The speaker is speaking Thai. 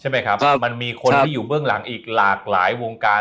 ใช่ไหมครับมันมีคนที่อยู่เบื้องหลังอีกหลากหลายวงการ